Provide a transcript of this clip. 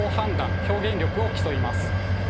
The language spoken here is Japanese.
表現力を競います。